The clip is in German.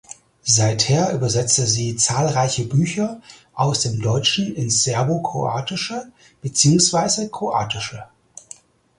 Seither übersetzte sie zahlreiche Bücher aus dem Deutschen ins Serbokroatische beziehungsweise Kroatische.